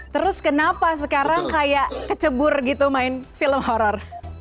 terus kenapa sekarang kayak kecebur gitu main film horror